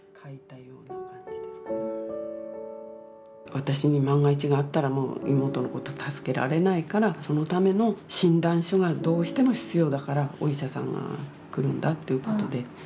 私に万が一があったらもう妹のこと助けられないからそのための診断書がどうしても必要だからお医者さんが来るんだっていうことで。